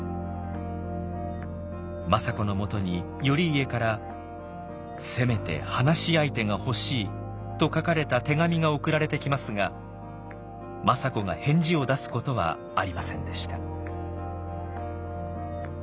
政子のもとに頼家から「せめて話し相手が欲しい」と書かれた手紙が送られてきますが政子が返事を出すことはありませんでした。